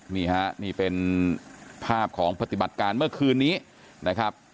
นี่ฮะนี่เป็นภาพของปฏิบัติการเมื่อคืนนี้นะครับ